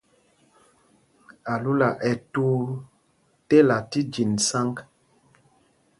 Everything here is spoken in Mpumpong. Alúla ɛ́ tuu tela fí jǐn sǎŋg.